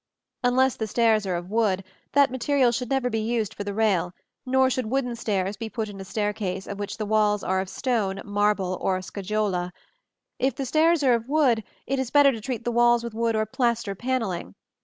Unless the stairs are of wood, that material should never be used for the rail; nor should wooden stairs be put in a staircase of which the walls are of stone, marble, or scagliola. If the stairs are of wood, it is better to treat the walls with wood or plaster panelling.